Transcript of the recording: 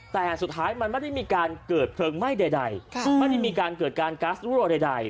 แต่สุดท้ายมันไม่ได้มีการเกิดเพลิงไหม้ใดไม่ได้มีการเกิดการก๊าซรั่วใด